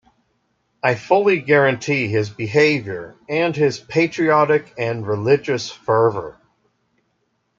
I fully guarantee his behaviour and his patriotic and religious fervour.